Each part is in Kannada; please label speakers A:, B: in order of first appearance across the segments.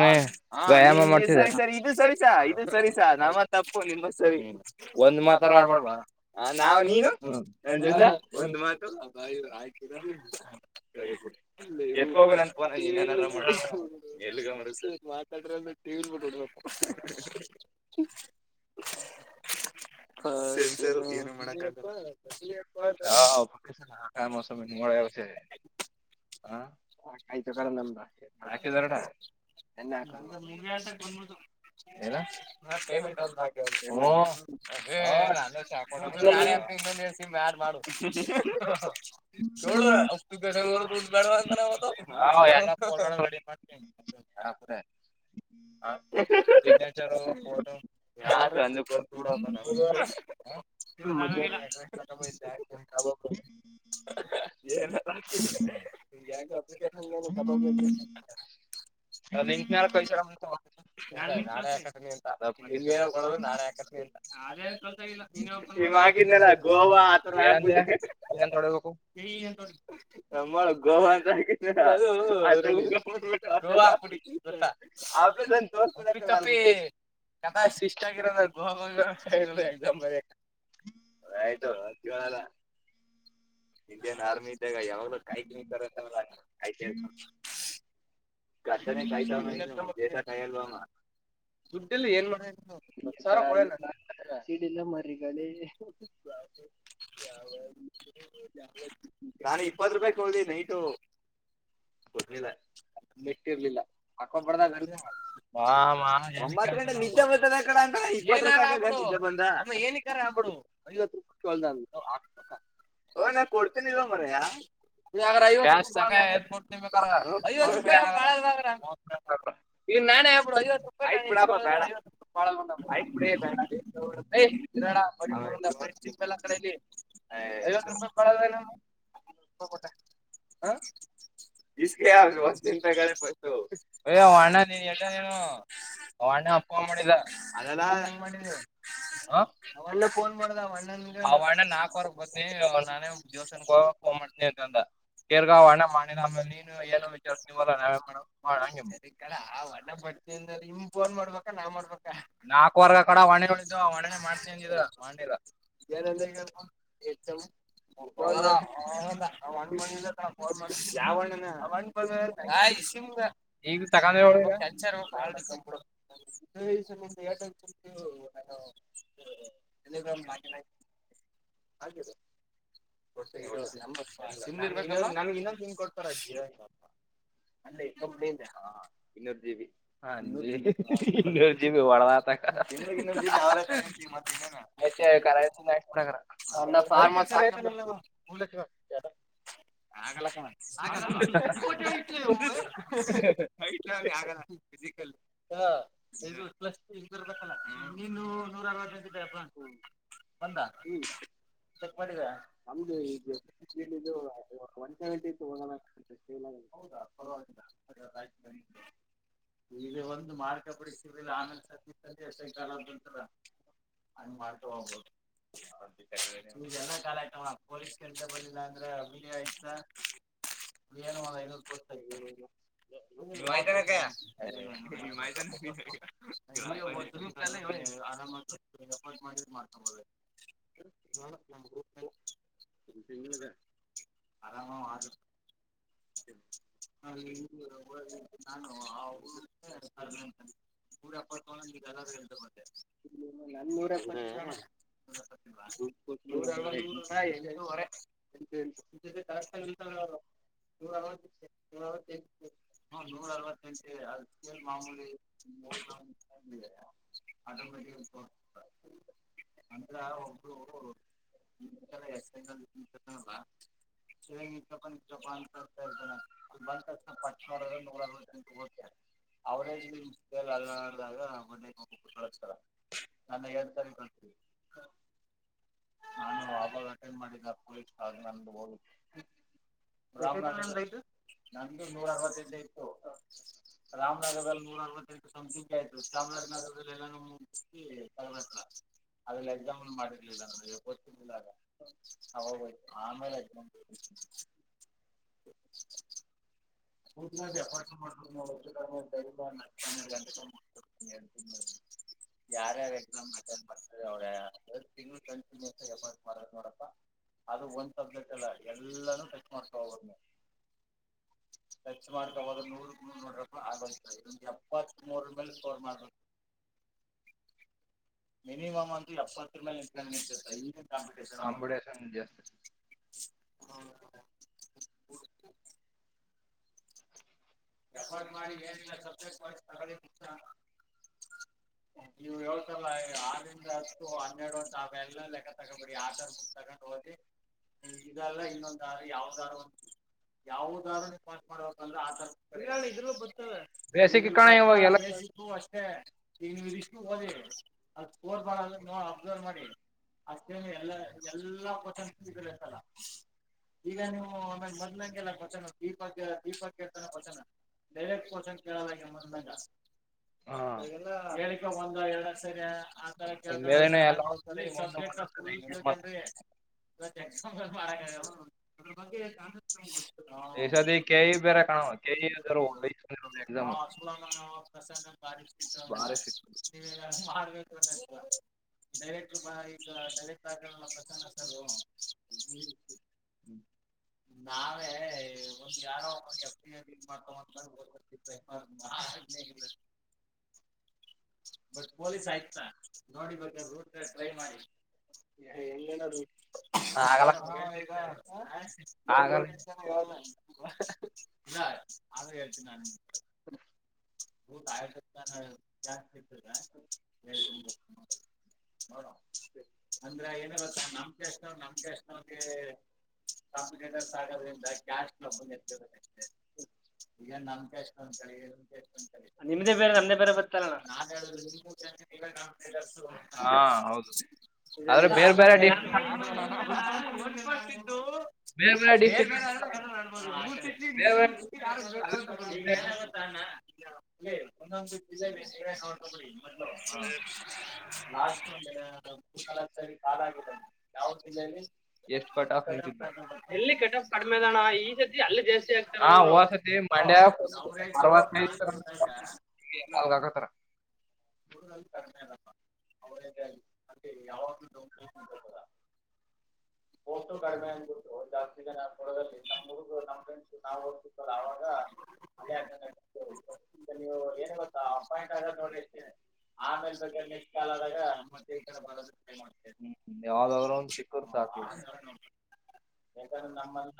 A: ಹ ಹಾ ಹ ಸರಿ ಸರಿ ಇದು ಸರಿಸಾ ಇದು ಸರಿ. [unintelligible] [unintelligible] [unintelligible] [unintelligible] [unintelligible] [unintelligible] [unintelligible] [unintelligible] ನಾಳೆ ಆಕನಿ ಅಂತ ನಿಗೆ ಕೊಡದು ನಾಳೆ ಆಕತಿನಿ ಅಂತ, ಅದೇನ್ ಕಳ್ಸಲ್ಲ ಗೋವಾ ಆತರ ಆಗ್ಬ ಗೋವಾ ಅಂತ್ರ ಟ್ಟಿ ಕನ ಸಷ್ಟ ಆಗಿರೋ ನ ಗೋವಾ ಎ ಆಯ್ತು ಅಜಲ್ಲ ಇಂಡಿಯನ್ ಆರ್ಮಿ ಇದ್ದಾಗ ಯಾವಾಗ್ಲೂ ಕಾಯ್ತ ನಿಂತಾರವಲ್ಲ. ಗದ್ದನೆ ಕಾಯ್ತಾಯಲ್ವಾ ನಾನ ಇಪ್ಪತ್ ರೂಪಾಯ ಕೊ ನೈಟ ಗೊತ್ತಿಲ್ಲ ಲ್ಲ. ಬ ಏನ ನಾ ಕೊಡ್ತ ಮರ [unintelligible] ಒಬ್ಬತ್ತಗಂಟೆ ಎಲ್ಲ ನಿದ್ದೆ ಬಂದ್ಬಿಡುತ್ತೆ ಏನಕ್ಕರ ಹಾಕು ಅದನ್ನ ನಾ ಕೊಡ್ತೀನಿ ಇರೋ ಮಾರಾಯ, [unintelligible] ಹಬ ಕ ಐವತ್ತು ರೂಪಾಯಿ [unintelligible]
B: ಯ ಆಗುವ
A: ಯ್ತು ಅಣ್ಣ ನೀನ್ ಎಟ ನೀನು ಅವಣ್ಣ ಅಪ್ಪನ್ ಮಾಡಿದೋನ್ ಮಾಡಣ್ಣ ನಾಕವರೆಗೆ ಬತಿನಿ ನಾನೇ ದೋಸನ್ ಫೋನ್ ಮಾಡ್ತೀನಿ ಅಂತಂದ ಕೇರ್ಗ ಒಣ್ಣ ಮಾಡಿದ ಆಮೇಲೆ ಏನು ವಿಚಾರವಲ್ಲ ನಾವೇ ಮಾಡ ಆ ಒಡ್ ಬತಿಯಿಂದ ಫೋನ್ ಮಾಡ್ಬೇಕ ನಾನ್ ಮಾಡ್ಬೇಕಾ ನಾಕ್ ವರ್ಗ ಕಡ ಒಣ ಒದ್ದು ಒಣನ ಮಾಡ್ತ ಅಂದ ಮಾಡ ಯಾವ ಅಣ್ಣನ ಒ ಬ ಇ ಶಮ ಈ ತಕ ರ ಕ ಇನ್ನೊಂದು ಕೊಡ್ತಾರ [inaudible]
B: ಅಲ್ಲ ಹ ಇನ್ನೂರ್ ಜೀವಿ ಹ
A: [unintelligible] [inaudible] ಮ ಆಗ ಿಕಲ್ [inaudible] ಹ ಇದು ಪ್ ಗತ್ತ ನೀನು ನೂರ ಅವಂತ ಬಂದ ಚಕ್ ಮಾಡ ಈ ಒಂದು ಮಾಡ್ಕೊ ಬಿಡ್ರಲಿಲ್ಲ ಆಮೇಲೆ ಸದಿ ಸಿ ಅಂತಂತ ಮಾಡ್ತ ಹೋಗ್ಬೋುದುಲ್ಲ ಕಾಲ ಆತವ ಪೊಲೀಸ್ ಕೆಲಸ ಬಂದಿಲ್ಲ ಅಂದ್ರೆ ಅ ಆಯತ
B: ನೀನು ಮ ರು ಮಾಹಿತ ಕ
A: ಮಾಹಿತ ಆರಾಮ ಮಾಡ ಮಾಡ್ತೆ
B: ಮತ್ತೆ ಹೇಗಿದ್ದೀಯ ಆರಾಮ ಅದಿ ಇಲ್ಲ
A: ನಾನು ಈಗ ನಾನು ಅವರು ನೂರು ಎಪಾತೆಳು ಎಲ್ಲರಿಗೂ ತೊಗೊಂಡೆ ಆದೆ ಇವರ ತಾಯಿ ಎಂಟು ವರೆ ನಿನ್ನ ಜೊತೆ ಕರೆಕ್ಟಾಗಿ ಇದಾರೆ ಅವರು
B: [unintelligible]
A: ಜಪನ್ [unintelligible] ನಂಗೆ ನೂರ ಅರವತೆಂಟು ಆಯ್ತು ರಾಮನಗರದಲ್ಲಿ ನೂರವತ್ತಂಟುಂಗ ಆಯ್ತು ಚಾಮರಾಜನಗರ ಅದ್ರಲ್ಲಿ ಎಕ್ಸಾಮ ಮಾಡಿರ್ಲಿಲ್ಲ ನ ಗೊಿಲ್ಲ [inaudible]
B: [unintelligible]
A: [unintelligible] [unintelligible]
B: [inaudible]
A: ಎಫರ್ಟ್ ಮಾಡಿ [unintelligible] ನೀವ್ ಯತ್ತಲ್ಲ ಆರಿಂದ ಹಷ್ಟು ಹನ್ನೆರಡು ಒಂತೆ ಎಲ್ಲ ಲೆಕ್ಕ ತಗೋಬೇಡಿ ಆಧಾರ್ ಬುಕ್ ತಗೊಂಡು ಓದಿ ಇದೆಲ್ಲಾ ಇನ್ನೊಂದ ಯಾವ್ದಾರು ಯಾವ್ದಾರು ನೀ್ ಪಾತ್ ಮಾಡ್ಬೇಕಂದ್ರೆ ಆಧಾರ್ ಬುಕ್ [inaudible] ಅಷ್ಟೇ [unintelligible] ಅಷ್ಟೇ ಎಲ್ಲಾ ಎಲ್ಲಾ [unintelligible] ಈಗ ನೀವು ಆಮೇಲೆ ಮೊದ್ಲಂಗೆಲ್ಲ [unintelligible] [unintelligible] [unintelligible] ಕೇಳಲ್ಲ ಹೋಗ್ಯಾನ್ [unintelligible] ಹೇಳಿದ ಒಂದ ಎರಡ ಸರಿಯ [unintelligible] [unintelligible]
B: ಈ ಸಧಿ ಕೆಇಬಿ
A: [unintelligible] [unintelligible] [inaudible] ಬಸ್ ಪೊಲೀಸ್ ಆಯ್ತಾ ನೋಡಿ ಬೂ ಟ್ರೈ ಮಾಡಿ ಹ ಹಾ ಯ [inaudible] ಇಲ್ಲ ಆ ಹೇಳ್ತೀನಿ ನಾನ ಸಿತ ಅಂದ್ರೆ ಏನ ಗತ್ತಾ ನಮ ನಮ್ಕದ್ರಿಂದ ಹ ನಿಗ ನಮಕ ಬೇಕಾ ಹ
B: ಹಾ ಹೌದು ಆದ್ರೆ ಬೇರೆ ಬೇರೆ
A: ಹ ಬ [inaudible] ಅ ಒಂದೊಂದು ಜಿಲ್ಲ ಯ ತ ಅ ಹ ಅವ
B: ಾಗತರ
A: ಹಲ್ಲಪ್ಪ ಅವ ಅ ಯಾವಾಗ್ಲೂ
B: ೋಟು ಕಡಿಮೆ ಅಂದ್ಬಿಟ್ಟು ಜಾಸ್ತಿ ಇದ ನ ಕೊಡಮ್ಮಗ ನ ನಾ್ ಹೋಗ್ತಿಲ್ಲ ಅವಾಗ ನೀ ಏನು ಗೊತ್ತಾ ಅಪಾಯಿಂಟ್ ಆಗ ನೋಡಿ ಎಷ್ಟ ಆಮೇಲೆ ಬ ನ ಕಲ್ ಆದಾಗ್ರು ಸಿ ಎ ನಮ್ಮಮ್ಮಲ್ಲಿ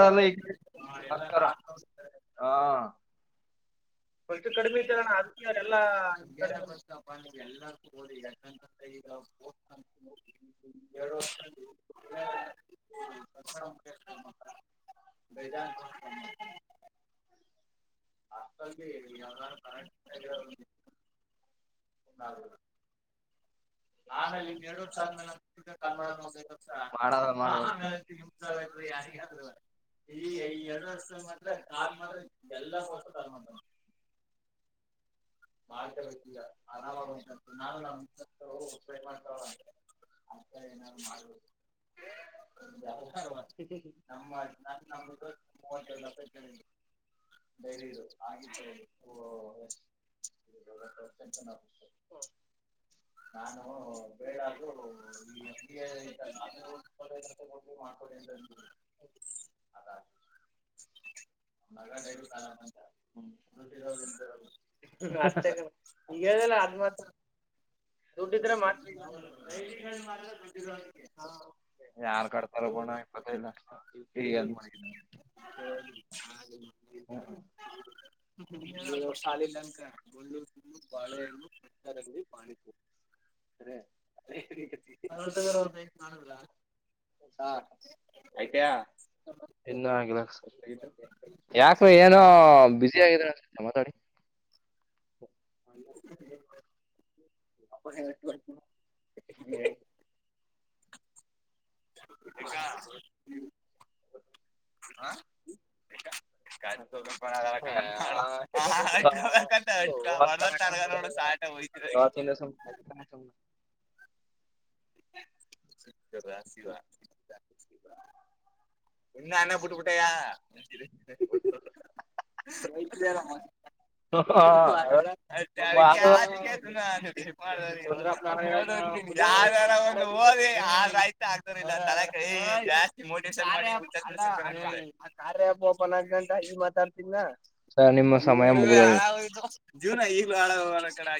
B: ನಗದಲ್ಲಿದಲ್ಲಿ ಹಾ
A: ಕರ್ಮಿ ಅತಿಯ ಎಲ್ಲಾ ಜನ ಬಸ್ ಪ ಎಲ್ಲಕ್ಕೂ ಹಓದ ಯಾಕಂತಂದ್ರೆ ಈಗ ಷ ಬದ [inaudible] ಆಮೇಲೆ ಇನ್ ಎರಡ್ ವರ್ಷ ಆದ್ಮೇಲೆ ಕಾಲ್ ಮಾಡ ಒಂದ ವರ್ಷ ಆಮೇಲೆ ಹಮ್ಸ ಯಾರಿಗ ಈ ಈ ಎರಡ್ ವರ್ಷ ಆದ್ರೆ ಕಾಲ್ ಮಾಡ್ರೆ ಎಲ್ಲ ಸ್ ಕಾಲ್ ಮಾಡತವ
B: ಮಾಡತ ಬ ಆರಾಮ ನಾನು [inaudible] [inaudible] ನಾನು [unintelligible]
A: ಅಷ್ಟೇ ಕಣೋ ಇವಾಗ ಹೇಳ್ದಲ [unintelligible] ದುಡ್ಡಿದ್ರೆ ಮಾತ್ರ [unintelligible]
B: ಸರಿ ಅದೇ
A: [unintelligible] [inaudible]
B: [unintelligible] [inaudible]
A: [unintelligible] [unintelligible] ನನ್ನ ಬೂಟು ಬೂಟೆಯ [unintelligible] ಆದರೆ ಆಯ್ತಾ ಆಗದೆ ಓದರೆ ಇಲ್ಲ ಜಾಸ್ತಿ ಮೋಟಿವನ್ [unintelligible] ಕಾರ್ಯ ಆ್ಯಪ್ ಓಪನ್ [unintelligible]